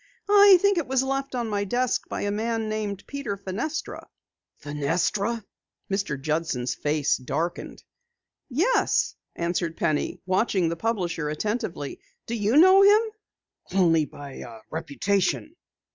I think it was left on my desk by a man named Peter Fenestra." "Fenestra?" Mr. Judson's face darkened. "Yes," answered Penny, watching the publisher attentively. "Do you know him?" "Only by reputation.